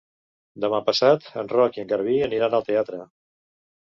Demà passat en Roc i en Garbí aniran al teatre.